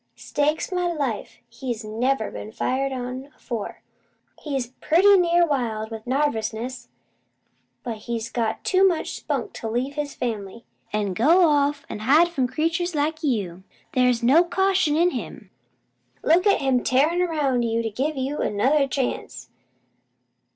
"Stake my life he's never been fired on afore! He's pretty near wild with narvousness, but he's got too much spunk to leave his fam'ly, an' go off an' hide from creatures like you. They's no caution in him. Look at him tearin' 'round to give you another chance!